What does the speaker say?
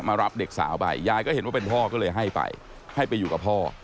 รับเด็กสาวไปยายก็เห็นว่าเป็นพ่อก็เลยให้ไปให้ไปอยู่กับพ่อ